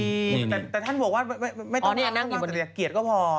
แต่ท่านบอกว่าไม่ต้องรักมากแต่อยากเกียรติก็พอ